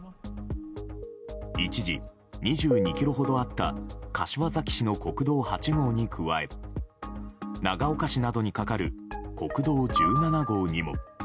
一時２２ｋｍほどあった柏崎市の国道８号に加え長岡市などにかかる国道１７号にも。